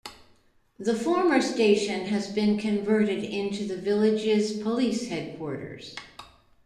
The former station has been converted into the village's police headquarters.